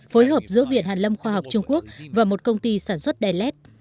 phối hợp giữa viện hạn lâm khoa học trung quốc và một công ty sản xuất đài lét